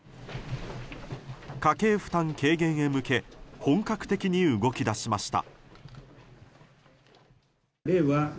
家計負担軽減へ向け本格的に動き出しました。